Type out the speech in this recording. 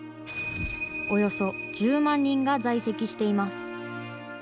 およそ１０万人が在籍しています。